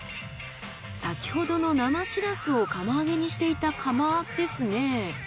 先ほどの生シラスを釜揚げにしていた釜ですね。